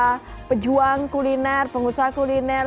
para pejuang kuliner pengusaha kuliner